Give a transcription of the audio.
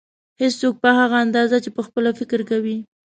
هېڅوک په هغه اندازه چې پخپله فکر کوي.